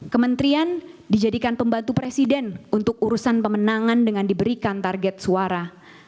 kementerian dijadikan pembantu presiden untuk urusan pemenangan dengan diberikan target suara